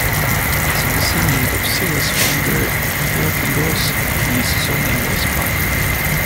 As a descendent of Silla's founder Hyeokgeose, his surname was Bak.